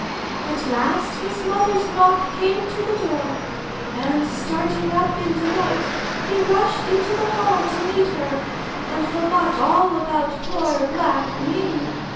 At last his mother's knock came to the door, and starting up in delight, he rushed into the hall to meet her, and forgot all about poor black me.